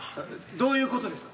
どういうことですか？